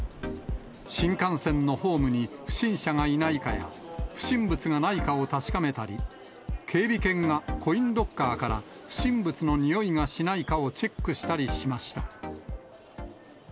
新幹線のホームに、不審者がいないかや、不審物がないかを確かめたり、警備犬がコインロッカーから不審物のにおいがしないかをチェックしたりしました。